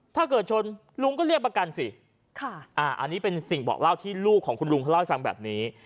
ถ้าเกิดชนลุงก็เรียกประกันสิอันนี้เป็นสิ่งบอกเล่าที่ลูกของคุณลุงเขาเล่าให้ฟังแบบนี้